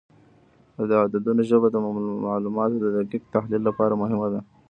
د عددونو ژبه د معلوماتو د دقیق تحلیل لپاره مهمه ده.